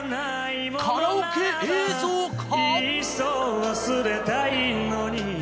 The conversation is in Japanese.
カラオケ映像か？